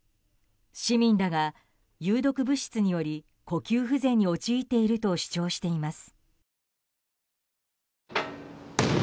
市民らが有毒物質により呼吸不全に陥っていると主張しています。